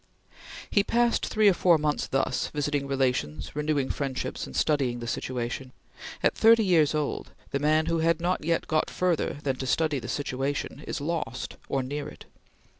He passed three or four months thus, visiting relations, renewing friendships, and studying the situation. At thirty years old, the man who has not yet got further than to study the situation, is lost, or near it.